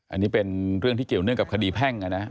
อันนี้เป็นเรื่องที่เกี่ยวเนื่องกับคดีแพ่ง